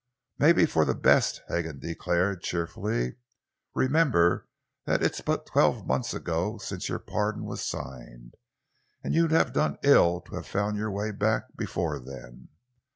"Maybe for the best," Hagan declared cheerfully. "Remember that it's but twelve months ago since your pardon was signed, and you'd have done ill to have found your way back before then.